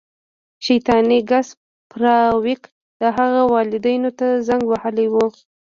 شیطاني ګس فارویک د هغه والدینو ته زنګ وهلی و